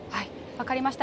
分かりました。